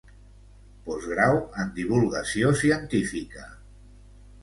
Postgrau en Divulgació Científica.